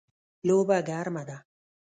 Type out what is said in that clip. لوبه ګرمه ده